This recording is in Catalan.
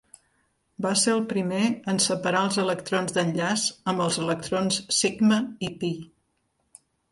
Va ser el primer en separar els electrons d'enllaç amb els electrons sigma i pi.